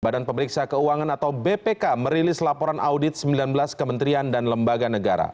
badan pemeriksa keuangan atau bpk merilis laporan audit sembilan belas kementerian dan lembaga negara